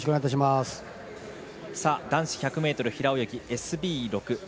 男子１００ｍ平泳ぎＳＢ６。